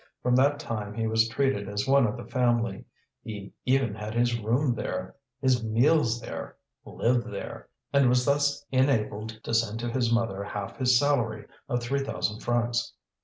From that time he was treated as one of the family; he even had his room there, his meals there, lived there, and was thus enabled to send to his mother half his salary of three thousand francs.